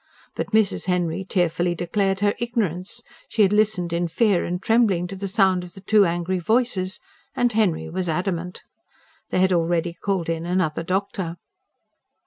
But Mrs. Henry tearfully declared her ignorance she had listened in fear and trembling to the sound of the two angry voices and Henry was adamant. They had already called in another doctor.